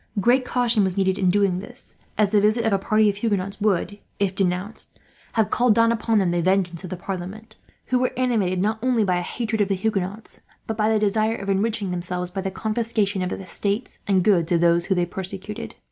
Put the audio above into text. Great caution was needed in doing this, as the visit of a party of Huguenots would, if denounced, have called down upon them the vengeance of the parliament; who were animated not only by hatred of the Huguenots, but by the desire of enriching themselves by the confiscation of the estates and goods of those they persecuted.